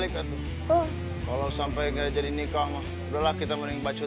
kalau sampai jadi nikah mah udah lah kita mending bacot